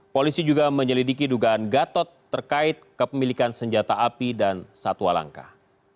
polisi juga menyelidiki dugaan gatot terkait kepemilikan senjata api dan satwa langkah